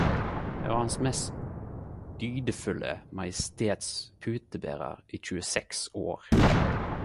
Eg var Hans Mest Dygdefulle Majestets puteberar i tjueseks år.